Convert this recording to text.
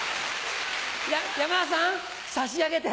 山田さん差し上げて。